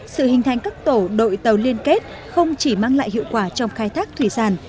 sự hình thành các tổ đội tàu liên kết không chỉ mang lại hiệu quả trong khai thác thủy sản